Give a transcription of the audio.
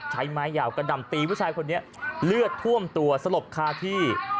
ไม้ยาวกระดำตีผู้ชายคนนี้เลือดท่วมตัวสลบคาที่